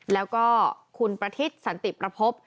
แล้วก็คุณประทิศสันติประพบ